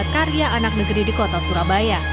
karya anak negeri di kota surabaya